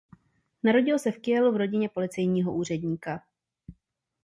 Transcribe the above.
Narodil se v Kielu v rodině policejního úředníka.